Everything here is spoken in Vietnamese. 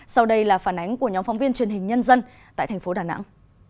sau đây là phản ánh của nhóm phóng viên truyền hình nhân dân tại thành phố đà nẵng